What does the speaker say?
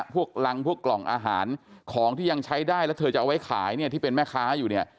พวกรังพวกกล่องอาหารของที่ยังใช้ได้แล้วเธอจะเอาไว้ขายเนี่ยที่เป็นแม่ค้าอยู่เนี่ย